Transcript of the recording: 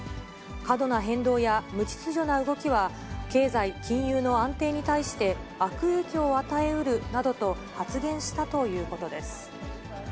過度な変動や無秩序な動きは、経済・金融の安定に対して悪影響を与えうるなどと発言したという